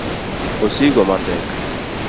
osigo mapek.